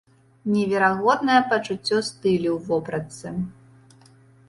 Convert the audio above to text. Неверагоднае пачуццё стылю ў вопратцы.